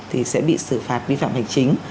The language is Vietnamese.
thì sẽ bị xử phạt bí phạm hành chính